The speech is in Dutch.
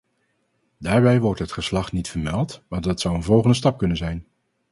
Daarbij wordt het geslacht niet vermeld, maar dat zou een volgende stap kunnen zijn.